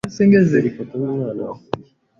Dore ifoto yumwana wanjye.